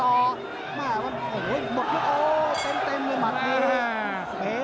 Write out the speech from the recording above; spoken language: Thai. โอ้โหหมดยุคโอ้โหเต็มในหมัดนี้